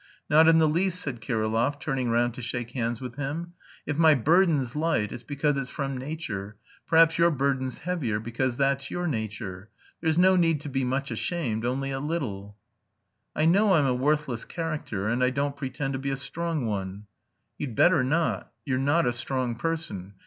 "Not in the least," said Kirillov, turning round to shake hands with him. "If my burden's light it's because it's from nature; perhaps your burden's heavier because that's your nature. There's no need to be much ashamed; only a little." "I know I'm a worthless character, and I don't pretend to be a strong one." "You'd better not; you're not a strong person.